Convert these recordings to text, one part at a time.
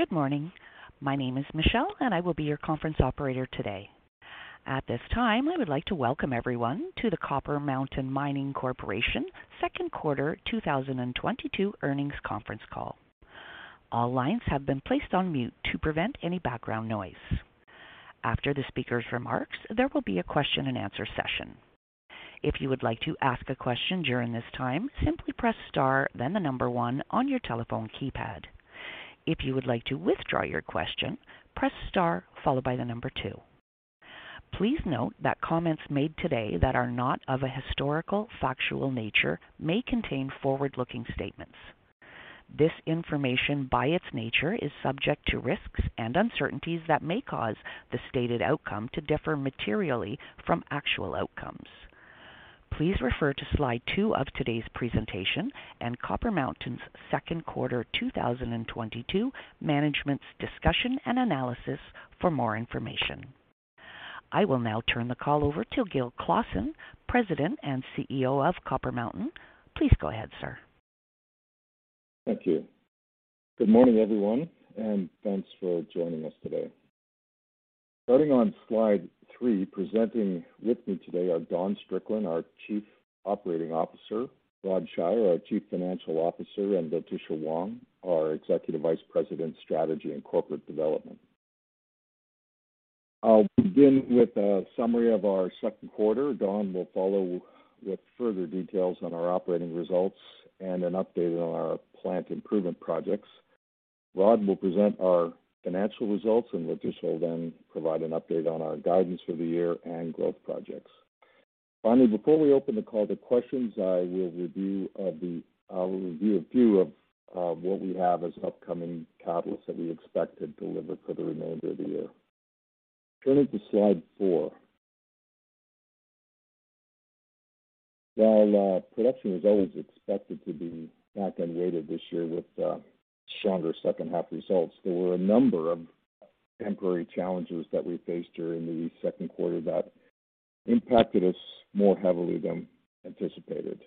Good morning. My name is Michelle, and I will be your conference operator today. At this time, I would like to welcome everyone to the Copper Mountain Mining Corporation Second Quarter 2022 Earnings Conference Call. All lines have been placed on mute to prevent any background noise. After the speaker's remarks, there will be a question-and-answer session. If you would like to ask a question during this time, simply press star then the number one on your telephone keypad. If you would like to withdraw your question, press star followed by the number two. Please note that comments made today that are not of a historical factual nature may contain forward-looking statements. This information, by its nature, is subject to risks and uncertainties that may cause the stated outcome to differ materially from actual outcomes. Please refer to slide two of today's presentation and Copper Mountain's second quarter 2022 management's discussion and analysis for more information. I will now turn the call over to Gil Clausen, President and CEO of Copper Mountain. Please go ahead, sir. Thank you. Good morning, everyone, and thanks for joining us today. Starting on slide three, presenting with me today are Don Strickland, our Chief Operating Officer, Rodney Shier, our Chief Financial Officer, and Letitia Wong, our Executive Vice President, Strategy and Corporate Development. I'll begin with a summary of our second quarter. Don will follow with further details on our operating results and an update on our plant improvement projects. Rod will present our financial results, and Letitia will then provide an update on our guidance for the year and growth projects. Finally, before we open the call to questions, I will review a few of what we have as upcoming catalysts that we expect to deliver for the remainder of the year. Turning to slide four. While production was always expected to be back-end weighted this year with stronger second half results, there were a number of temporary challenges that we faced during the second quarter that impacted us more heavily than anticipated.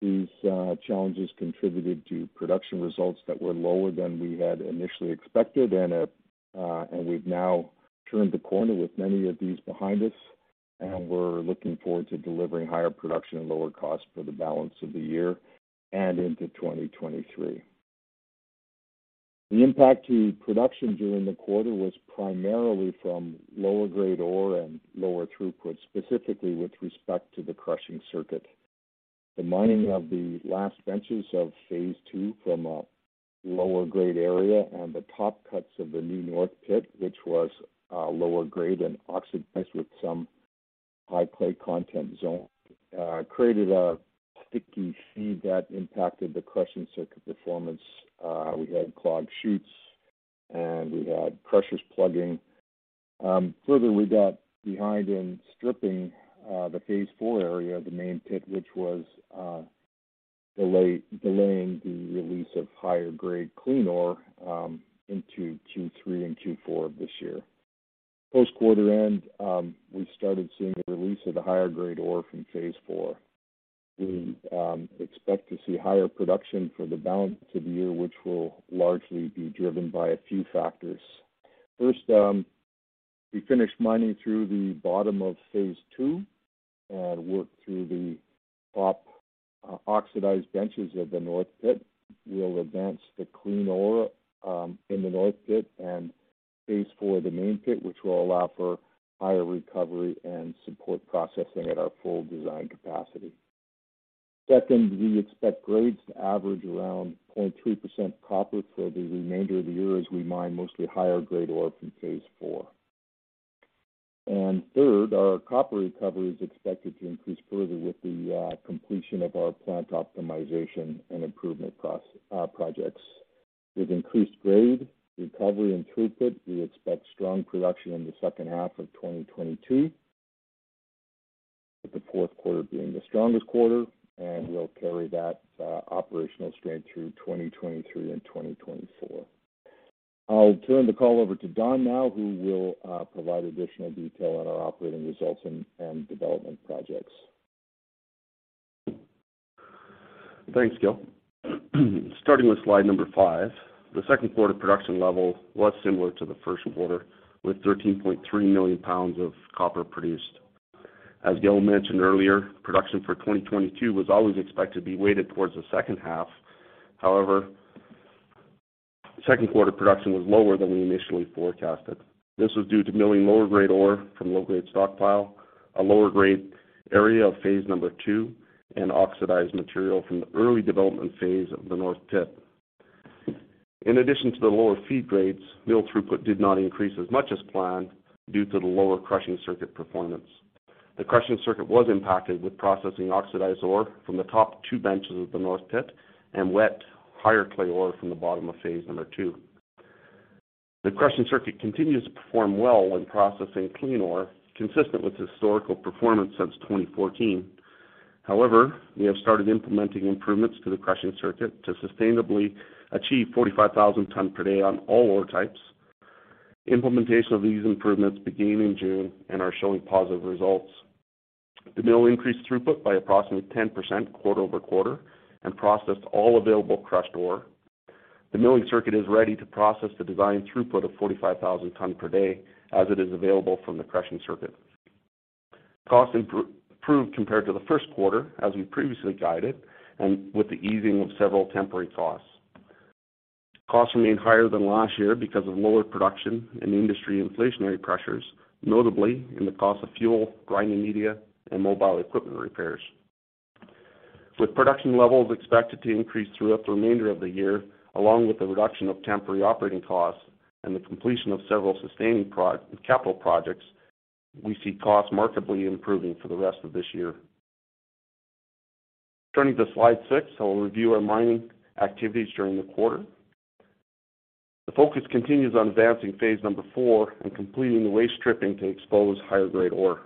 These challenges contributed to production results that were lower than we had initially expected and we've now turned the corner with many of these behind us, and we're looking forward to delivering higher production and lower costs for the balance of the year and into 2023. The impact to production during the quarter was primarily from lower grade ore and lower throughput, specifically with respect to the crushing circuit. The mining of the last benches of phase two from a lower grade area and the top cuts of the new north pit, which was lower grade and oxidized with some high clay content zone, created a sticky feed that impacted the crushing circuit performance. We had clogged chutes, and we had crushers plugging. Further, we got behind in stripping the Phase IV area of the main pit, which was delaying the release of higher grade clean ore into Q3 and Q4 of this year. Post quarter end, we started seeing a release of the higher grade ore from Phase IV. We expect to see higher production for the balance of the year, which will largely be driven by a few factors. First, we finished mining through the bottom of Phase II and worked through the top oxidized benches of the north pit. We'll advance the clean ore in the north pit and Phase IV, the main pit, which will allow for higher recovery and support processing at our full design capacity. Second, we expect grades to average around 0.2% copper for the remainder of the year as we mine mostly higher grade ore from Phase IV. Third, our copper recovery is expected to increase further with the completion of our plant optimization and improvement projects. With increased grade, recovery and throughput, we expect strong production in the second half of 2022, with the fourth quarter being the strongest quarter, and we'll carry that operational strength through 2023 and 2024. I'll turn the call over to Don now who will provide additional detail on our operating results and development projects. Thanks, Gil. Starting with slide five, the second quarter production level was similar to the first quarter, with 13.3 million pounds of copper produced. As Gil mentioned earlier, production for 2022 was always expected to be weighted towards the second half. Second quarter production was lower than we initially forecasted. This was due to milling lower-grade ore from low-grade stockpile, a lower-grade area of Phase number II, and oxidized material from the early development phase of the north pit. In addition to the lower feed grades, mill throughput did not increase as much as planned due to the lower crushing circuit performance. The crushing circuit was impacted with processing oxidized ore from the top two benches of the north pit and wet higher clay ore from the bottom of Phase II. The crushing circuit continues to perform well when processing clean ore, consistent with historical performance since 2014. However, we have started implementing improvements to the crushing circuit to sustainably achieve 45,000 tons per day on all ore types. Implementation of these improvements began in June and are showing positive results. The mill increased throughput by approximately 10% quarter-over-quarter and processed all available crushed ore. The milling circuit is ready to process the design throughput of 45,000 tons per day as it is available from the crushing circuit. Costs improved compared to the first quarter, as we previously guided, and with the easing of several temporary costs. Costs remain higher than last year because of lower production and industry inflationary pressures, notably in the cost of fuel, grinding media, and mobile equipment repairs. With production levels expected to increase throughout the remainder of the year, along with the reduction of temporary operating costs and the completion of several sustaining capital projects, we see costs markedly improving for the rest of this year. Turning to slide six, I will review our mining activities during the quarter. The focus continues on advancing Phase number IV and completing the waste stripping to expose higher-grade ore,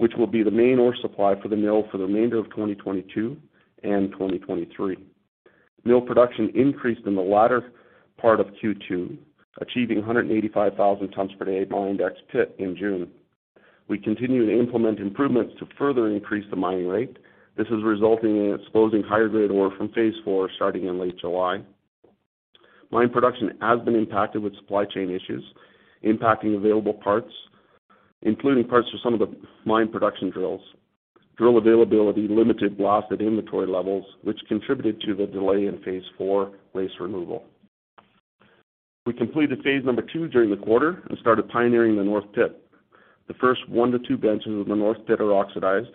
which will be the main ore supply for the mill for the remainder of 2022 and 2023. Mill production increased in the latter part of Q2, achieving 185,000 tons per day mined ex pit in June. We continue to implement improvements to further increase the mining rate. This is resulting in exposing higher-grade ore from Phase IV starting in late July. Mine production has been impacted with supply chain issues impacting available parts, including parts for some of the mine production drills. Drill availability limited blasted inventory levels, which contributed to the delay in Phase IV waste removal. We completed Phase II during the quarter and started pioneering the north pit. The first 1-2 benches of the north pit are oxidized,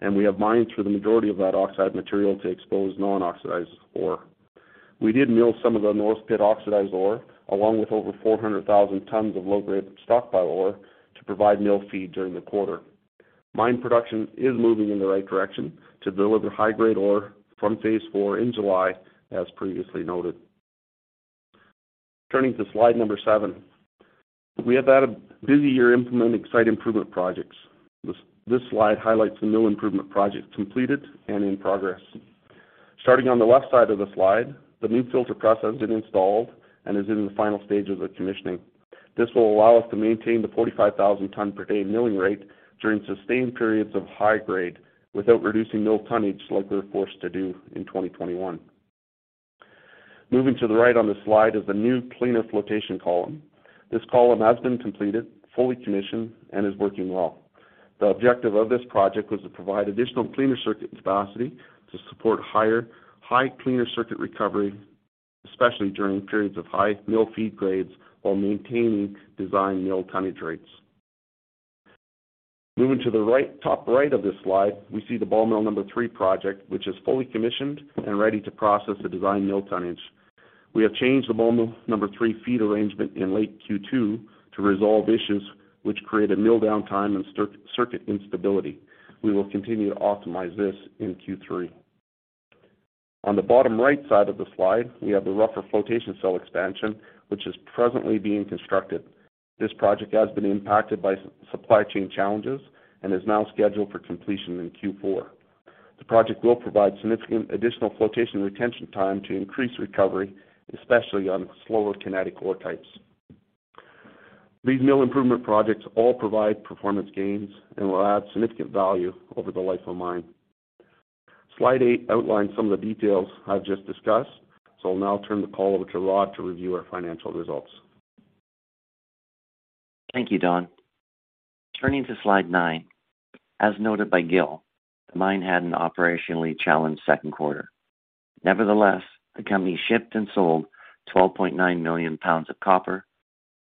and we have mined for the majority of that oxidized material to expose non-oxidized ore. We did mill some of the north pit oxidized ore along with over 400,000 tons of low-grade stockpile ore to provide mill feed during the quarter. Mine production is moving in the right direction to deliver high-grade ore from Phase IV in July, as previously noted. Turning to slide seven. We have had a busy year implementing site improvement projects. This slide highlights the mill improvement projects completed and in progress. Starting on the left side of the slide, the new filter press has been installed and is in the final stages of commissioning. This will allow us to maintain the 45,000 ton per day milling rate during sustained periods of high grade without reducing mill tonnage like we were forced to do in 2021. Moving to the right on this slide is the new cleaner flotation column. This column has been completed, fully commissioned, and is working well. The objective of this project was to provide additional cleaner circuit capacity to support higher cleaner circuit recovery, especially during periods of high mill feed grades while maintaining design mill tonnage rates. Moving to the right, top right of this slide, we see the ball mill number three project, which is fully commissioned and ready to process the design mill tonnage. We have changed the ball mill number three feed arrangement in late Q2 to resolve issues which created mill downtime and circuit instability. We will continue to optimize this in Q3. On the bottom right side of the slide, we have the rougher flotation cell expansion, which is presently being constructed. This project has been impacted by supply chain challenges and is now scheduled for completion in Q4. The project will provide significant additional flotation retention time to increase recovery, especially on slower kinetic ore types. These mill improvement projects all provide performance gains and will add significant value over the life of mine. Slide eight outlines some of the details I've just discussed. I'll now turn the call over to Rod to review our financial results. Thank you, Don. Turning to slide nine. As noted by Gil, the mine had an operationally challenged second quarter. Nevertheless, the company shipped and sold 12.9 million pounds of copper,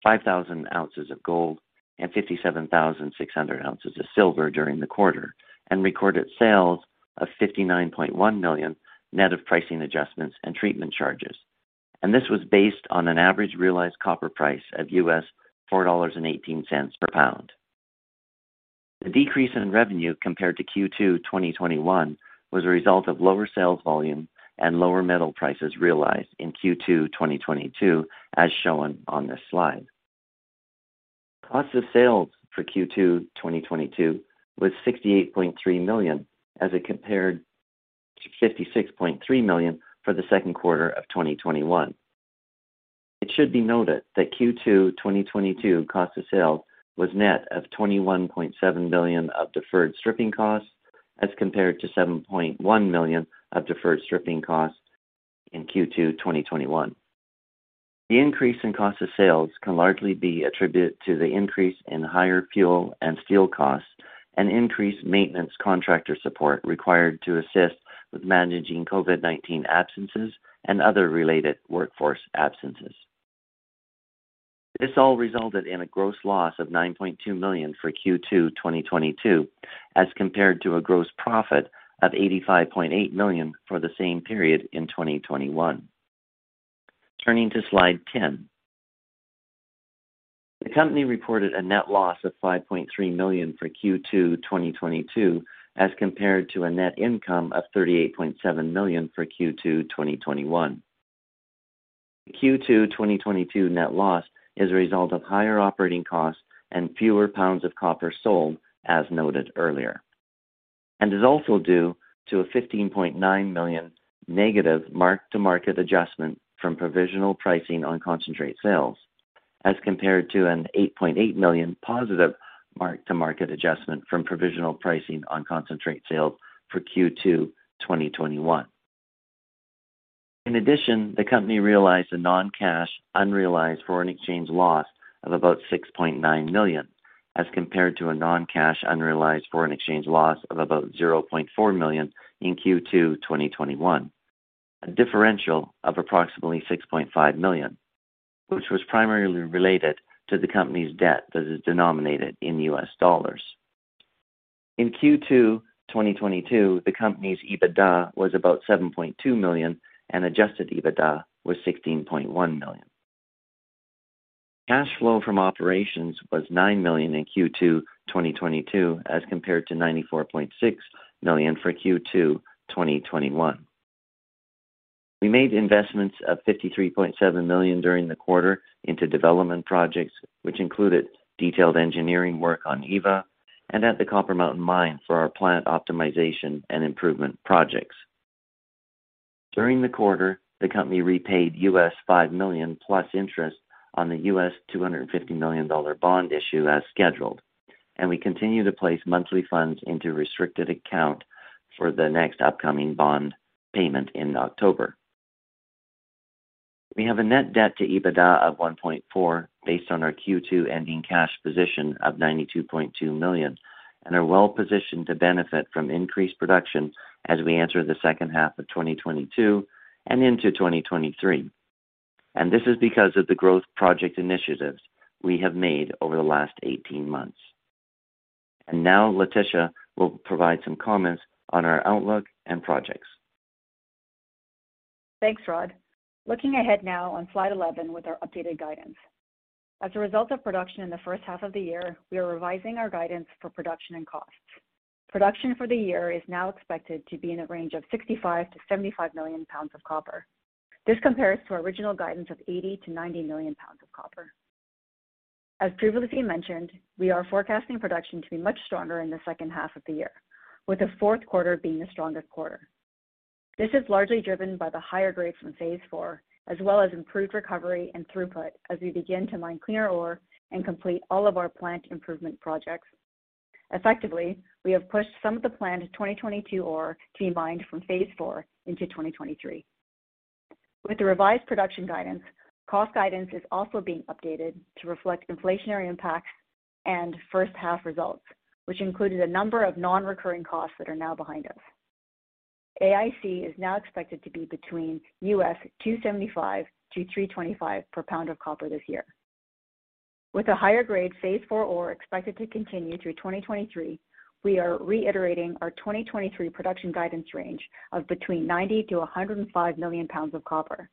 5,000 ounces of gold, and 57,600 ounces of silver during the quarter, and recorded sales of $59.1 million net of pricing adjustments and treatment charges. This was based on an average realized copper price of $4.18 per pound. The decrease in revenue compared to Q2 2021 was a result of lower sales volume and lower metal prices realized in Q2 2022, as shown on this slide. Cost of sales for Q2 2022 was $68.3 million as it compared to $56.3 million for the second quarter of 2021. It should be noted that Q2 2022 cost of sales was net of $21.7 million of deferred stripping costs as compared to $7.1 million of deferred stripping costs in Q2 2021. The increase in cost of sales can largely be attributed to the increase in higher fuel and steel costs and increased maintenance contractor support required to assist with managing COVID-19 absences and other related workforce absences. This all resulted in a gross loss of $9.2 million for Q2 2022, as compared to a gross profit of $85.8 million for the same period in 2021. Turning to slide ten. The company reported a net loss of $5.3 million for Q2 2022 as compared to a net income of $38.7 million for Q2 2021. The Q2 2022 net loss is a result of higher operating costs and fewer pounds of copper sold as noted earlier. It is also due to a $15.9 million negative mark-to-market adjustment from provisional pricing on concentrate sales, as compared to an $8.8 million positive mark-to-market adjustment from provisional pricing on concentrate sales for Q2 2021. In addition, the company realized a non-cash unrealized foreign exchange loss of about $6.9 million, as compared to a non-cash unrealized foreign exchange loss of about $0.4 million in Q2 2021. A differential of approximately $6.5 million, which was primarily related to the company's debt that is denominated in U.S. dollars. In Q2 2022, the company's EBITDA was about $7.2 million, and adjusted EBITDA was $16.1 million. Cash flow from operations was $9 million in Q2 2022, as compared to $94.6 million for Q2 2021. We made investments of $53.7 million during the quarter into development projects, which included detailed engineering work on Eva and at the Copper Mountain Mine for our plant optimization and improvement projects. During the quarter, the company repaid $5 million + interest on the $250 million bond issue as scheduled, and we continue to place monthly funds into restricted account for the next upcoming bond payment in October. We have a net debt to EBITDA of 1.4 based on our Q2 ending cash position of $92.2 million and are well positioned to benefit from increased production as we enter the second half of 2022 and into 2023. This is because of the growth project initiatives we have made over the last 18 months. Now Letitia will provide some comments on our outlook and projects. Thanks, Rod. Looking ahead now on slide 11 with our updated guidance. As a result of production in the first half of the year, we are revising our guidance for production and costs. Production for the year is now expected to be in a range of 65-75 million pounds of copper. This compares to original guidance of 80-90 million pounds of copper. As previously mentioned, we are forecasting production to be much stronger in the second half of the year, with the fourth quarter being the strongest quarter. This is largely driven by the higher grades from Phase IV, as well as improved recovery and throughput as we begin to mine cleaner ore and complete all of our plant improvement projects. Effectively, we have pushed some of the planned 2022 ore to be mined from Phase IV into 2023. With the revised production guidance, cost guidance is also being updated to reflect inflationary impacts and first half results, which included a number of non-recurring costs that are now behind us. AIC is now expected to be between $275-$325 per pound of copper this year. With a higher grade Phase IV ore expected to continue through 2023, we are reiterating our 2023 production guidance range of between 90-105 million pounds of copper.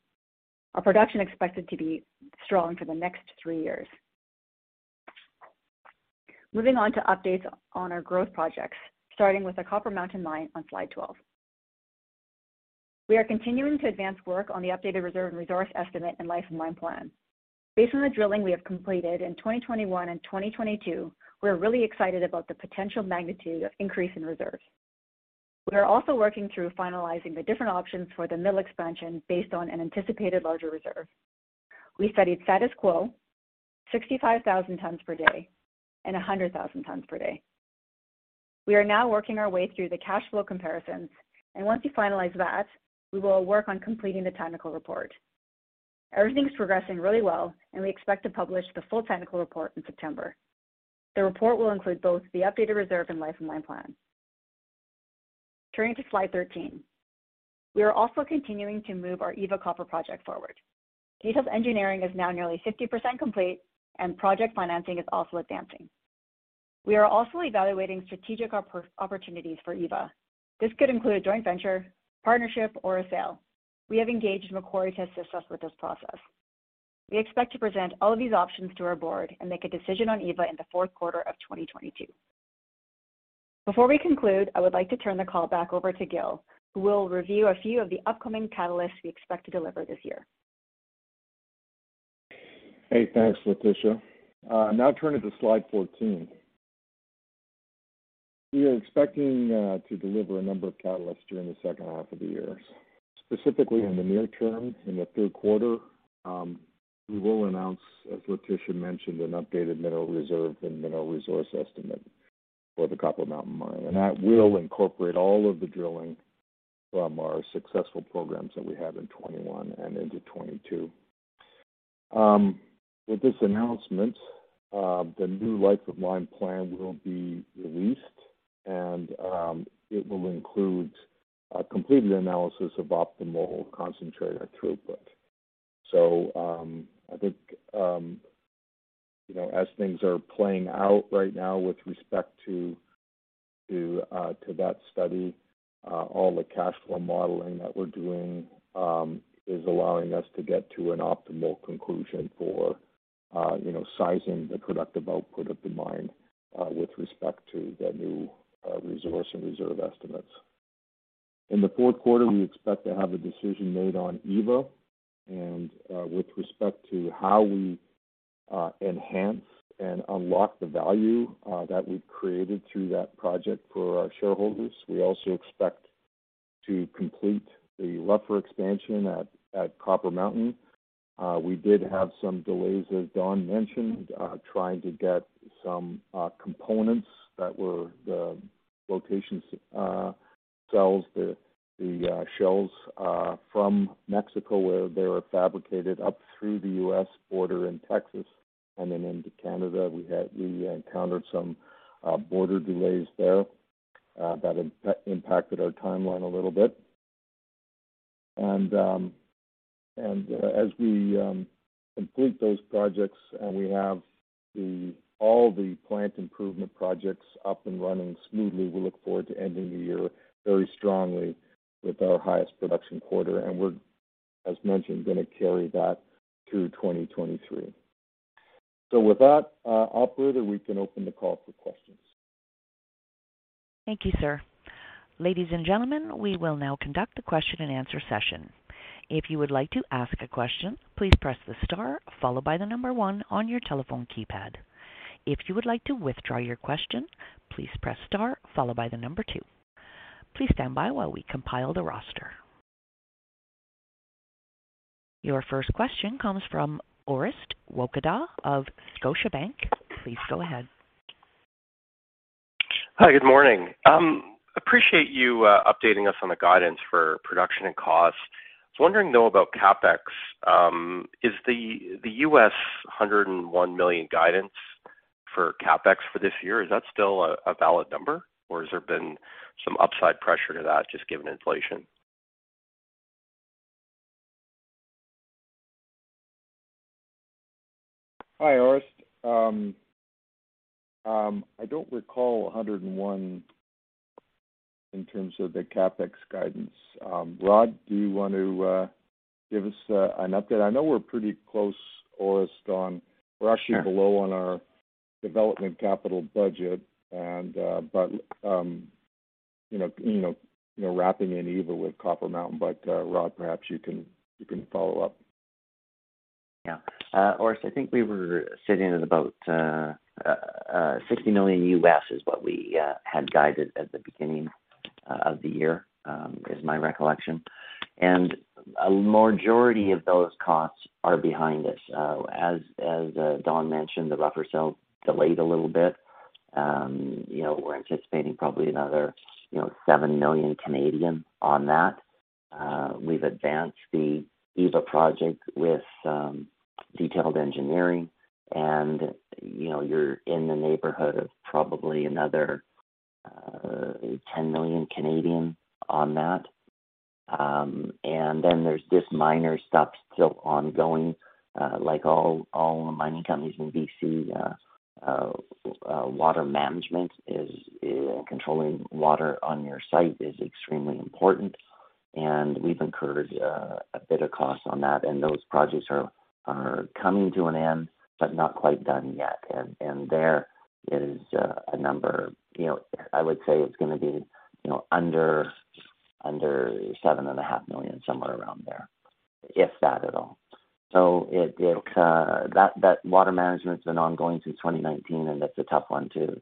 Our production expected to be strong for the next three years. Moving on to updates on our growth projects, starting with the Copper Mountain Mine on slide 12. We are continuing to advance work on the updated reserve and resource estimate and life-of-mine plan. Based on the drilling we have completed in 2021 and 2022, we're really excited about the potential magnitude of increase in reserves. We are also working through finalizing the different options for the mill expansion based on an anticipated larger reserve. We studied status quo, 65,000 tons per day, and 100,000 tons per day. We are now working our way through the cash flow comparisons, and once we finalize that, we will work on completing the technical report. Everything's progressing really well, and we expect to publish the full technical report in September. The report will include both the updated reserve and life of mine plan. Turning to slide 13. We are also continuing to move our Eva Copper project forward. Detailed engineering is now nearly 50% complete and project financing is also advancing. We are also evaluating strategic opportunities for Eva. This could include a joint venture, partnership, or a sale. We have engaged Macquarie to assist us with this process. We expect to present all of these options to our board and make a decision on Eva in the fourth quarter of 2022. Before we conclude, I would like to turn the call back over to Gil Clausen, who will review a few of the upcoming catalysts we expect to deliver this year. Hey, thanks, Letitia. Now turning to slide 14. We are expecting to deliver a number of catalysts during the second half of the year. Specifically in the near term, in the third quarter, we will announce, as Letitia mentioned, an updated mineral reserve and mineral resource estimate for the Copper Mountain Mine. That will incorporate all of the drilling from our successful programs that we have in 2021 and into 2022. With this announcement, the new life of mine plan will be released and it will include a completed analysis of optimal concentrator throughput. I think, you know, as things are playing out right now with respect to that study, all the cash flow modeling that we're doing is allowing us to get to an optimal conclusion for, you know, sizing the productive output of the mine with respect to the new resource and reserve estimates. In the fourth quarter, we expect to have a decision made on Eva and with respect to how we enhance and unlock the value that we've created through that project for our shareholders. We also expect to complete the rougher expansion at Copper Mountain. We did have some delays, as Don mentioned, trying to get some components that were the flotation cells, the shells from Mexico where they were fabricated up through the U.S. border in Texas and then into Canada. We encountered some border delays there that impacted our timeline a little bit. As we complete those projects and we have all the plant improvement projects up and running smoothly, we look forward to ending the year very strongly with our highest production quarter. We're, as mentioned, gonna carry that through 2023. With that, operator, we can open the call for questions. Thank you, sir. Ladies and gentlemen, we will now conduct a question-and-answer session. If you would like to ask a question, please press the star followed by the number one on your telephone keypad. If you would like to withdraw your question, please press star followed by the number two. Please stand by while we compile the roster. Your first question comes from Orest Wowkodaw of Scotiabank. Please go ahead. Hi, good morning. Appreciate you updating us on the guidance for production and cost. I was wondering, though, about CapEx. Is the $101 million guidance for CapEx for this year still a valid number, or has there been some upside pressure to that just given inflation? Hi, Orest. I don't recall 101 in terms of the CapEx guidance. Rod, do you want to give us an update? I know we're pretty close, Orest, on- Sure. We're actually below on our development capital budget, you know, wrapping in Eva with Copper Mountain. Rod, perhaps you can follow up. Yeah. Orest, I think we were sitting at about $60 million is what we had guided at the beginning of the year is my recollection. A majority of those costs are behind us. As Don mentioned, the rougher cell delayed a little bit. You know, we're anticipating probably another, you know, 7 million on that. We've advanced the Eva project with detailed engineering and, you know, you're in the neighborhood of probably another CAD 10 million on that. Then there's this minor stuff still ongoing. Like all mining companies in BC, water management is controlling water on your site is extremely important, and we've incurred a bit of cost on that. Those projects are coming to an end, but not quite done yet. There is a number, you know, I would say it's gonna be, you know, under 7.5 million, somewhere around there, if that at all. Water management's been ongoing since 2019, and that's a tough one to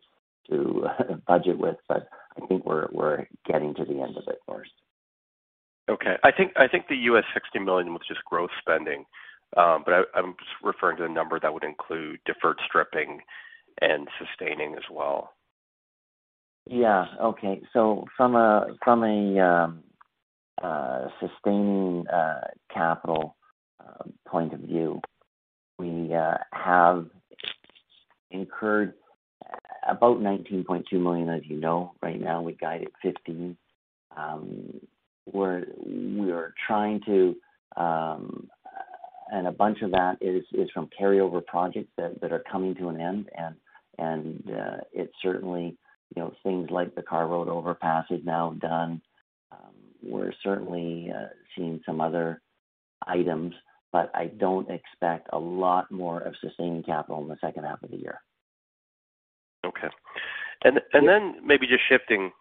budget with, but I think we're getting to the end of it first. Okay. I think the $60 million was just growth spending, but I'm just referring to the number that would include deferred stripping and sustaining as well. Yeah. Okay. From a sustaining capital point of view, we have incurred about $19.2 million, as you know. Right now, we guided $15. We are trying to. A bunch of that is from carryover projects that are coming to an end. It certainly, you know, things like the haul road overpass is now done. We're certainly seeing some other items, but I don't expect a lot more of sustaining capital in the second half of the year. Maybe just shifting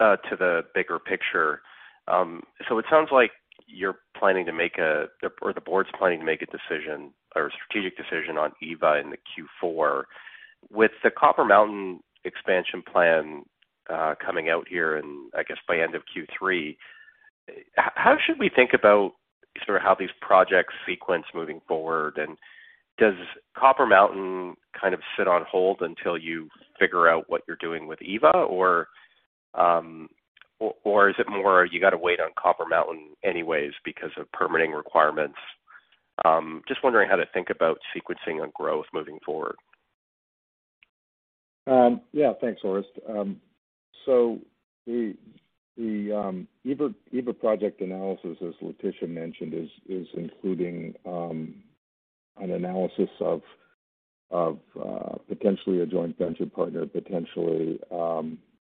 to the bigger picture. It sounds like you're planning to make, or the board's planning to make a decision or a strategic decision on Eva in the Q4. With the Copper Mountain expansion plan coming out here in, I guess, by end of Q3, how should we think about sort of how these projects sequence moving forward? Does Copper Mountain kind of sit on hold until you figure out what you're doing with Eva? Is it more you got to wait on Copper Mountain anyways because of permitting requirements? Just wondering how to think about sequencing on growth moving forward. Yeah. Thanks, Orest. The Eva project analysis, as Letitia mentioned, is including an analysis of potentially a joint venture partner, potentially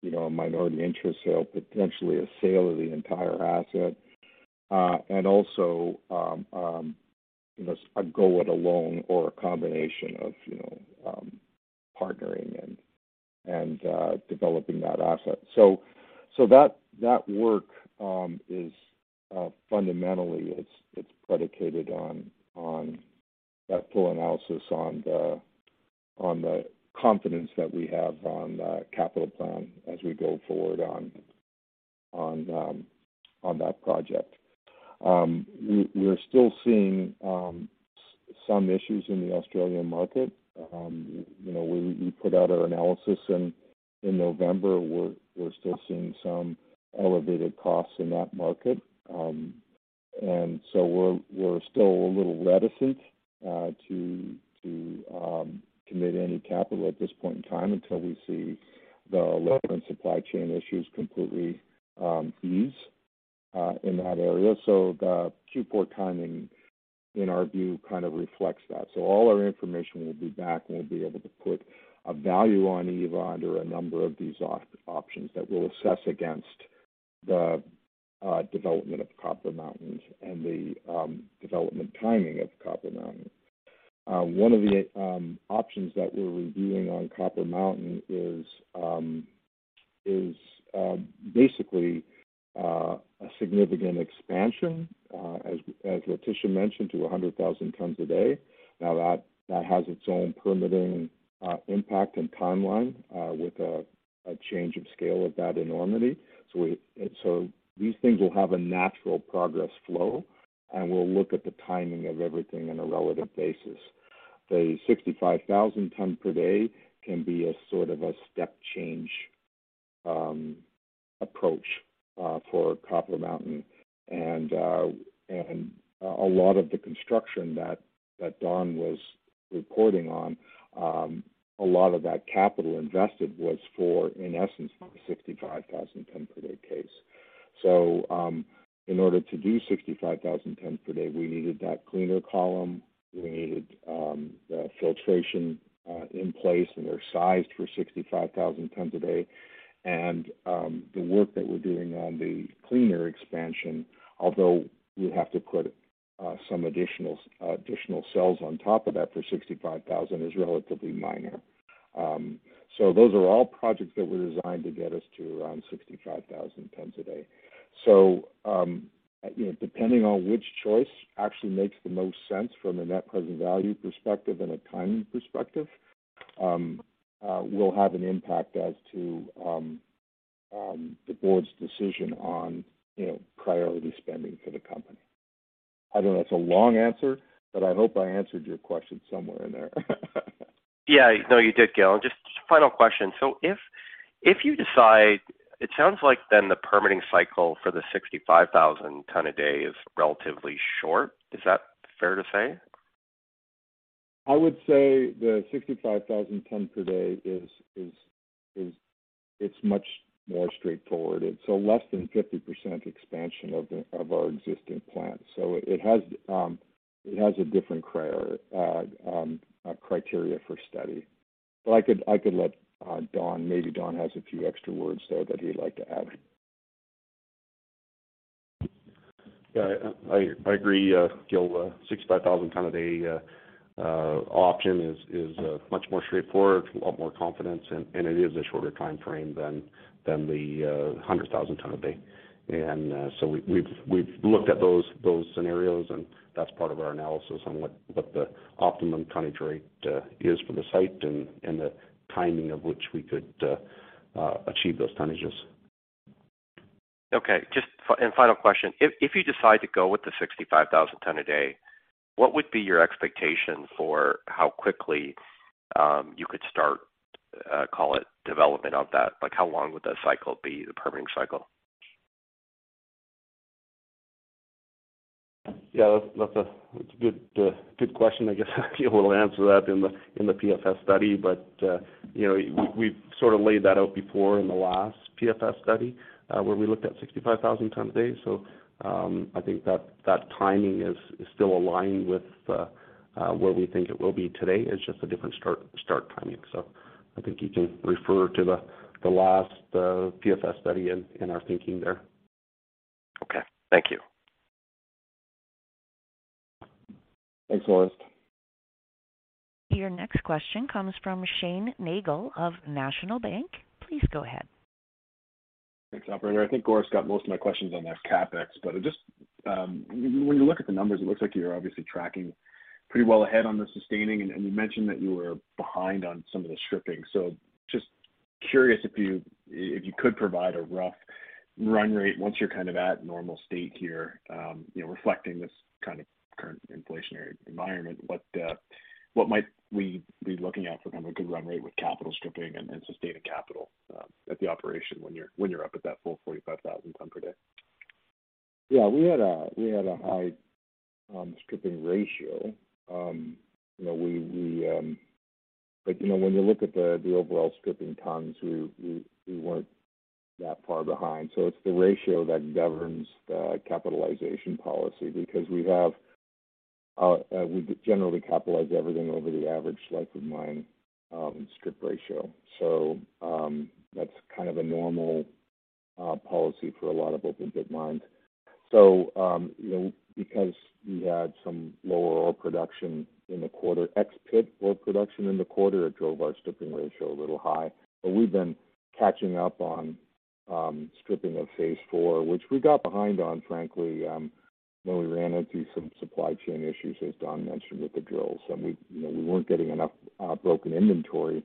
you know a minority interest sale, potentially a sale of the entire asset and also you know a go it alone or a combination of you know partnering and developing that asset. That work is fundamentally it's predicated on that full analysis on the confidence that we have on the capital plan as we go forward on that project. We're still seeing some issues in the Australian market. You know, we put out our analysis in November. We're still seeing some elevated costs in that market. We're still a little reticent to commit any capital at this point in time until we see the labor and supply chain issues completely ease in that area. The Q4 timing, in our view, kind of reflects that. All our information will be back, and we'll be able to put a value on Eva under a number of these options that we'll assess against the development of Copper Mountain and the development timing of Copper Mountain. One of the options that we're reviewing on Copper Mountain is basically a significant expansion, as Letitia mentioned, to 100,000 tons a day. Now that has its own permitting impact and timeline with a change of scale of that enormity. These things will have a natural progress flow, and we'll look at the timing of everything on a relative basis. The 65,000 tons per day can be a sort of a step change approach for Copper Mountain. A lot of the construction that Don was reporting on, a lot of that capital invested was for, in essence, for a 65,000 ton per day case. In order to do 65,000 tons per day, we needed that cleaner column. We needed the filtration in place, and they're sized for 65,000 tons a day. The work that we're doing on the cleaner expansion, although we have to put some additional cells on top of that for 65,000 is relatively minor. Those are all projects that were designed to get us to around 65,000 tons a day. You know, depending on which choice actually makes the most sense from a net present value perspective and a timing perspective, will have an impact as to the board's decision on, you know, priority spending for the company. I know that's a long answer, but I hope I answered your question somewhere in there. Yeah. No, you did, Gil. Just final question. If you decide, it sounds like then the permitting cycle for the 65,000 ton a day is relatively short. Is that fair to say? I would say the 65,000 tons per day is. It's much more straightforward. It's a less than 50% expansion of our existing plant. It has a different criteria for study. I could let Don. Maybe Don has a few extra words there that he'd like to add. Yeah, I agree, Gil. 65,000 tons a day option is much more straightforward, a lot more confidence, and it is a shorter timeframe than the 100,000 tons a day. So we've looked at those scenarios, and that's part of our analysis on what the optimum tonnage rate is for the site and the timing of which we could achieve those tonnages. Okay. Just final question. If you decide to go with the 65,000 ton a day, what would be your expectation for how quickly you could start call it development of that? Like, how long would that cycle be, the permitting cycle? That's a good question. I guess we'll answer that in the PFS study. You know, we've sort of laid that out before in the last PFS study, where we looked at 65,000 tons a day. I think that timing is still aligned with where we think it will be today. It's just a different start timing. I think you can refer to the last PFS study in our thinking there. Okay. Thank you. Thanks, Orest. Your next question comes from Shane Nagle of National Bank. Please go ahead. Thanks, operator. I think Orest got most of my questions on the CapEx. Just when you look at the numbers, it looks like you're obviously tracking pretty well ahead on the sustaining, and you mentioned that you were behind on some of the stripping. Just curious if you could provide a rough run rate once you're kind of at normal state here, you know, reflecting this kind of current inflationary environment. What might we be looking at for kind of a good run rate with capital stripping and sustained capital at the operation when you're up at that full 45,000 tons per day? We had a high strip ratio. You know, we weren't that far behind. It's the ratio that governs the capitalization policy because we generally capitalize everything over the average life-of-mine strip ratio. That's kind of a normal policy for a lot of open pit mines. You know, because we had some lower ex-pit ore production in the quarter, it drove our strip ratio a little high. We've been catching up on stripping of Phase IV, which we got behind on, frankly, when we ran into some supply chain issues, as Don mentioned, with the drills. We, you know, weren't getting enough broken inventory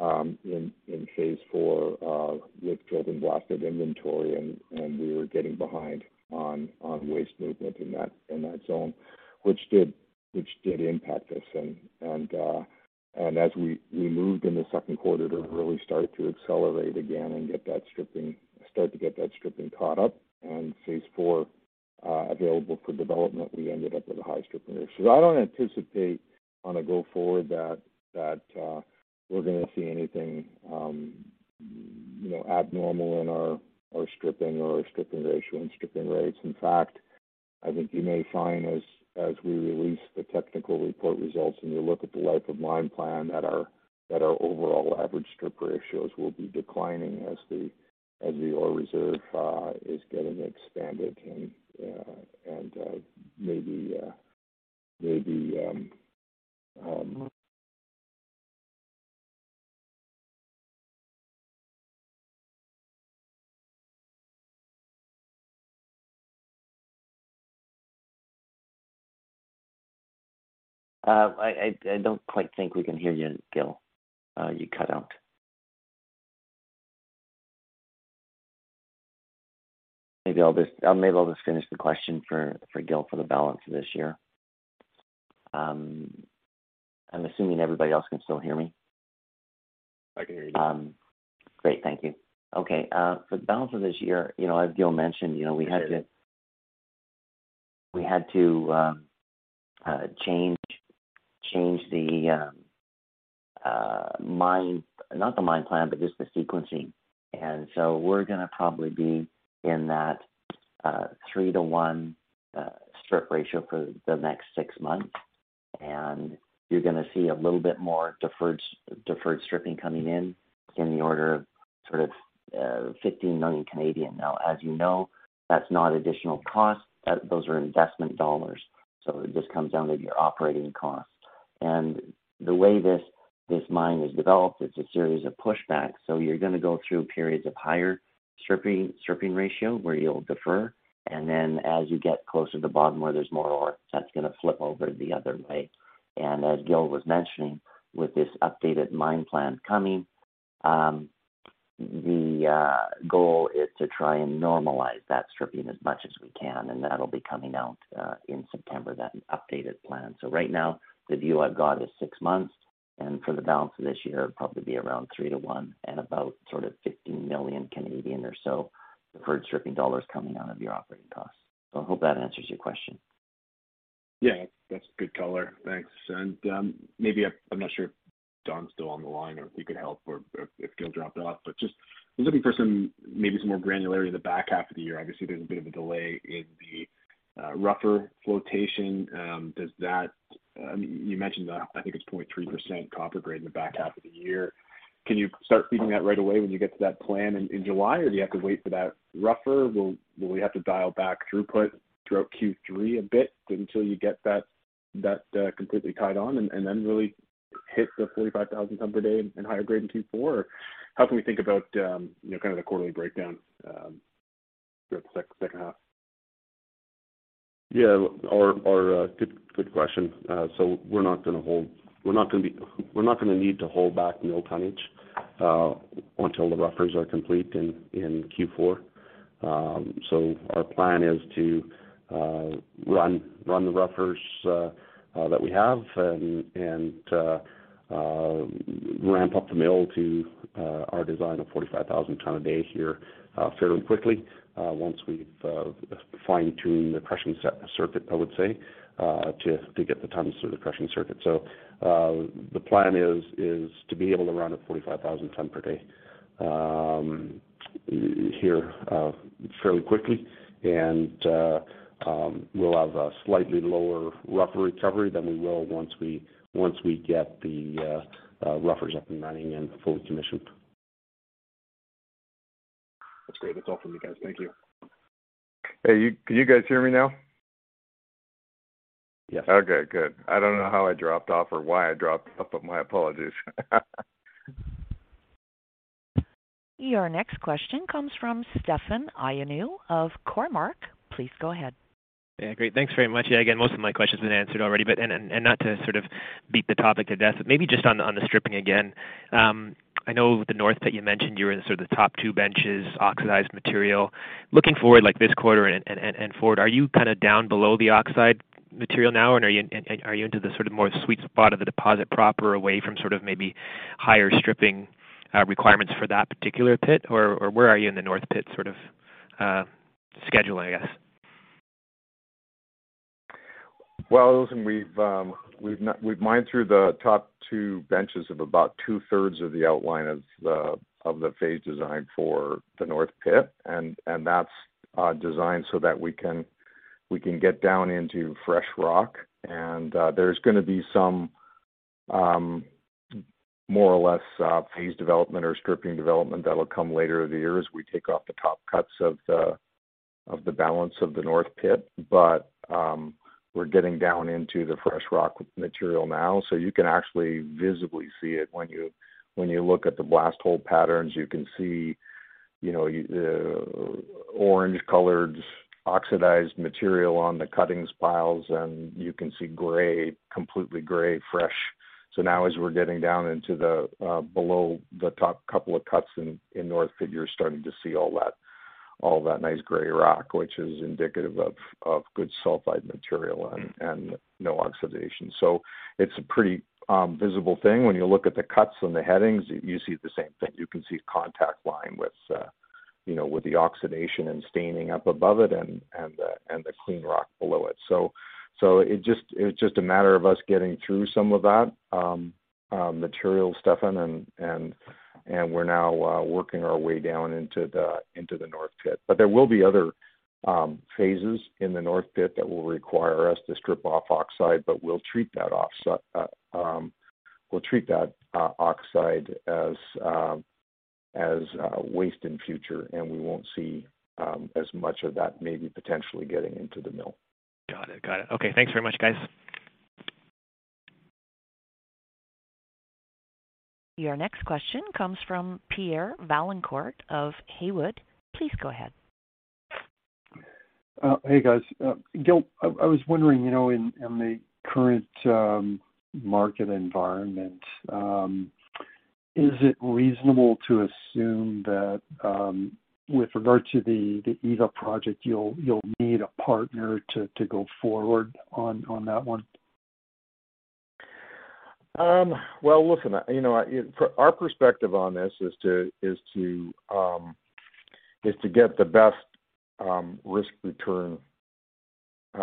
in Phase IV with drilled and blasted inventory and we were getting behind on waste movement in that zone, which did impact us. As we moved in the second quarter to really start to accelerate again and get that stripping caught up and Phase IV available for development, we ended up with a high stripping ratio. I don't anticipate on a go forward that we're gonna see anything, you know, abnormal in our stripping or our stripping ratio and stripping rates. In fact, I think you may find as we release the technical report results, and you look at the life of mine plan that our overall average strip ratios will be declining as the ore reserve is getting expanded and maybe. I don't quite think we can hear you, Gil. You cut out. Maybe I'll just finish the question for Gil for the balance of this year. I'm assuming everybody else can still hear me. I can hear you. Great. Thank you. Okay, for the balance of this year, you know, as Gil mentioned, you know, we had to change the sequencing. We're gonna probably be in that 3-1 strip ratio for the next six months. You're gonna see a little bit more deferred stripping coming in the order of sort of 15 million. Now, as you know, that's not additional cost. Those are investment dollars, so it just comes down to your operating costs. The way this mine is developed, it's a series of pushbacks. You're gonna go through periods of higher stripping ratio where you'll defer. Then as you get closer to bottom where there's more ore, that's gonna flip over the other way. As Gil was mentioning, with this updated mine plan coming, the goal is to try and normalize that stripping as much as we can, and that'll be coming out in September, that updated plan. Right now, the view I've got is six months, and for the balance of this year, it'll probably be around 3-1 and about sort of 15 million or so deferred stripping dollars coming out of your operating costs. I hope that answers your question. Yeah, that's a good color. Thanks. Maybe I'm not sure if Don's still on the line or if he could help or if Gil dropped off, but just was looking for some, maybe some more granularity in the back half of the year. Obviously, there's a bit of a delay in the rougher flotation. I mean, you mentioned, I think it's 0.3% copper grade in the back half of the year. Can you start feeding that right away when you get to that plan in July, or do you have to wait for that rougher? Will we have to dial back throughput throughout Q3 a bit until you get that completely tied on and then really hit the 45,000 tons per day and higher grade in Q4? How can we think about, you know, kind of the quarterly breakdown throughout the second half? Yeah. Good question. We're not gonna need to hold back mill tonnage until the roughers are complete in Q4. Our plan is to run the roughers that we have and ramp up the mill to our design of 45,000 tons a day here fairly quickly once we've fine-tuned the crushing circuit, I would say, to get the tonnage through the crushing circuit. The plan is to be able to run at 45,000 tons per day here fairly quickly. We'll have a slightly lower rougher recovery than we will once we get the roughers up and running and fully commissioned. That's great. That's all for me, guys. Thank you. Hey, you. Can you guys hear me now? Yes. Okay, good. I don't know how I dropped off or why I dropped off, but my apologies. Your next question comes from Stefan Ioannou of Cormark. Please go ahead. Yeah, great. Thanks very much. Yeah, again, most of my questions have been answered already. Not to sort of beat the topic to death, but maybe just on the stripping again. I know the north pit you mentioned, you were in sort of the top two benches, oxidized material. Looking forward, like this quarter and forward, are you kinda down below the oxide material now or are you into the sort of more sweet spot of the deposit proper away from sort of maybe higher stripping requirements for that particular pit? Or where are you in the north pit sort of schedule, I guess? Well, listen, we've mined through the top two benches of about two-thirds of the outline of the phase design for the North Pit, and that's designed so that we can get down into fresh rock. There's gonna be some more or less phase development or stripping development that'll come later in the year as we take off the top cuts of the balance of the North Pit. We're getting down into the fresh rock material now. You can actually visibly see it when you look at the blast hole patterns. You can see, you know, orange colored oxidized material on the cuttings piles, and you can see gray, completely gray fresh. Now as we're getting down into the below the top couple of cuts in North Pit, you're starting to see all that nice gray rock, which is indicative of good sulfide material and no oxidation. It's a pretty visible thing. When you look at the cuts and the headings, you see the same thing. You can see contact line with you know, with the oxidation and staining up above it and the clean rock below it. It's just a matter of us getting through some of that material, Stefan, and we're now working our way down into the North Pit. There will be other phases in the North Pit that will require us to strip off oxide, but we'll treat that oxide as waste in future, and we won't see as much of that maybe potentially getting into the mill. Got it. Okay, thanks very much, guys. Your next question comes from Pierre Vaillancourt of Haywood. Please go ahead. Hey, guys. Gil, I was wondering, you know, in the current market environment, is it reasonable to assume that, with regard to the Eva project, you'll need a partner to go forward on that one? Well, listen, you know, for our perspective on this is to get the best risk-return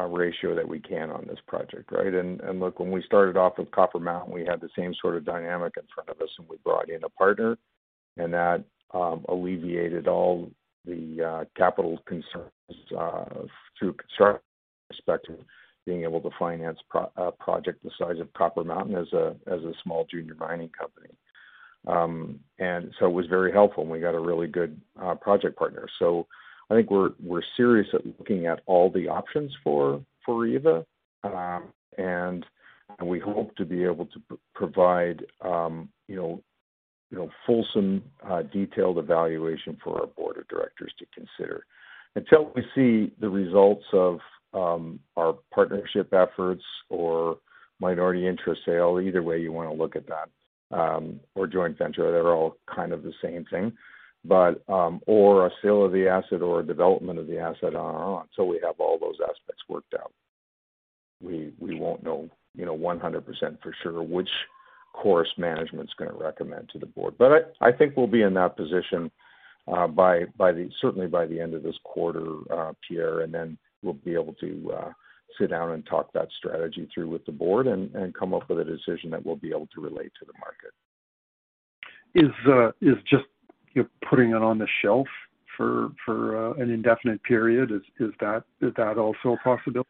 ratio that we can on this project, right? Look, when we started off with Copper Mountain, we had the same sort of dynamic in front of us, and we brought in a partner. That alleviated all the capital concerns through a construction perspective, being able to finance a project the size of Copper Mountain as a small junior mining company. It was very helpful, and we got a really good project partner. I think we're serious at looking at all the options for Eva. We hope to be able to provide you know, fulsome detailed evaluation for our board of directors to consider. Until we see the results of our partnership efforts or minority interest sale, either way you wanna look at that, or joint venture, they're all kind of the same thing or a sale of the asset or a development of the asset on its own. We have all those aspects worked out. We won't know, you know, 100% for sure which course management's gonna recommend to the board. I think we'll be in that position by the end of this quarter, Pierre, and then we'll be able to sit down and talk that strategy through with the board and come up with a decision that we'll be able to relate to the market. Is just, you know, putting it on the shelf for an indefinite period, is that also a possibility?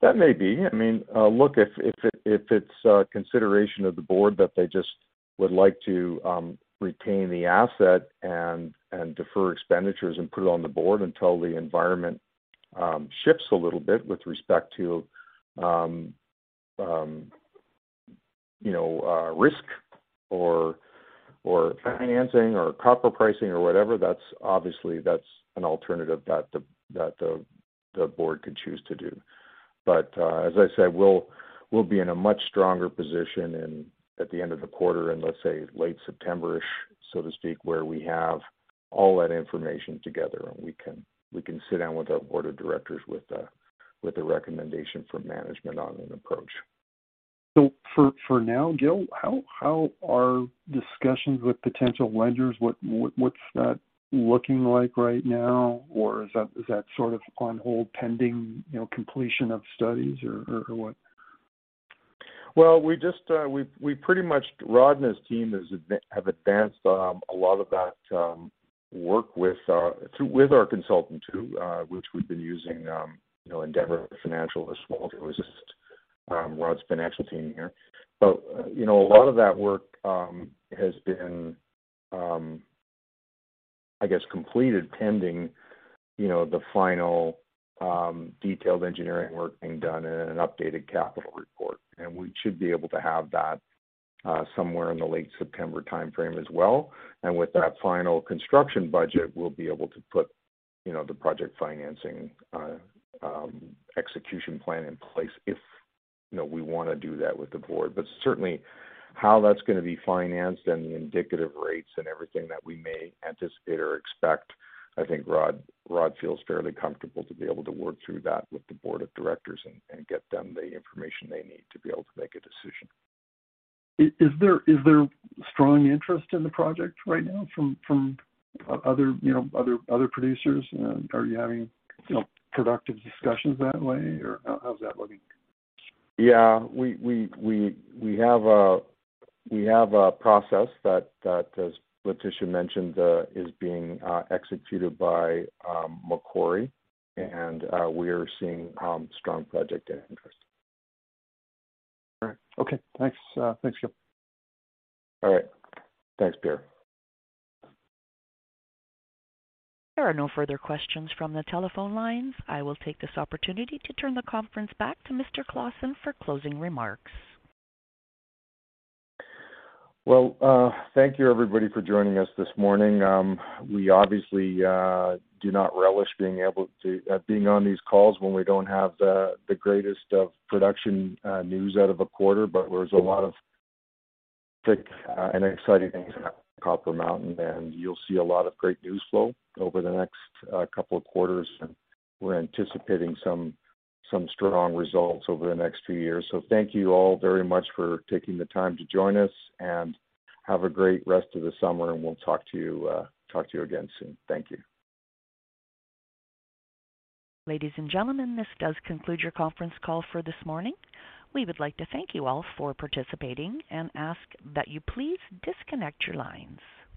That may be. I mean, look, if it's consideration of the board that they just would like to retain the asset and defer expenditures and put it on the board until the environment shifts a little bit with respect to you know risk or financing or copper pricing or whatever, that's obviously an alternative that the board could choose to do. As I said, we'll be in a much stronger position at the end of the quarter and let's say late September-ish so to speak where we have all that information together and we can sit down with our board of directors with a recommendation from management on an approach. For now, Gil, how are discussions with potential lenders? What’s that looking like right now? Is that sort of on hold pending, you know, completion of studies or what? Well, we pretty much Rod and his team have advanced a lot of that work with through with our consultant too, which we've been using, you know, Endeavour Financial as well to assist Rod's financial team here. You know, a lot of that work has been, I guess, completed pending, you know, the final detailed engineering work being done and an updated capital report. We should be able to have that somewhere in the late September timeframe as well. With that final construction budget, we'll be able to put, you know, the project financing execution plan in place if, you know, we wanna do that with the board. Certainly how that's gonna be financed and the indicative rates and everything that we may anticipate or expect, I think Rod feels fairly comfortable to be able to work through that with the board of directors and get them the information they need to be able to make a decision. Is there strong interest in the project right now from other, you know, other producers? Are you having, you know, productive discussions that way? How's that looking? Yeah. We have a process that, as Letitia mentioned, is being executed by Macquarie, and we're seeing strong project interest. All right. Okay. Thanks. Thanks, Gil. All right. Thanks, Pierre. There are no further questions from the telephone lines. I will take this opportunity to turn the conference back to Mr. Clausen for closing remarks. Well, thank you everybody for joining us this morning. We obviously do not relish being on these calls when we don't have the greatest of production news out of a quarter. But there's a lot of big and exciting things happening at Copper Mountain, and you'll see a lot of great news flow over the next couple of quarters. We're anticipating some strong results over the next few years. Thank you all very much for taking the time to join us, and have a great rest of the summer, and we'll talk to you again soon. Thank you. Ladies and gentlemen, this does conclude your conference call for this morning. We would like to thank you all for participating and ask that you please disconnect your lines.